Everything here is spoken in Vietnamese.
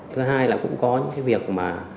thứ hai là cũng có những cái việc mà